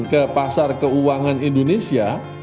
ke pasar keuangan indonesia